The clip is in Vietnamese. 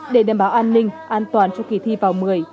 để đảm bảo an ninh an toàn cho kỳ thi vào một mươi